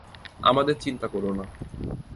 আমাদের চিন্তা করো না।